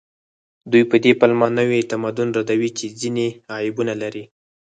دوی په دې پلمه نوي تمدن ردوي چې ځینې عیبونه لري